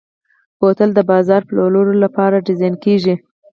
بوتل د بازار پلورلو لپاره ډیزاین کېږي.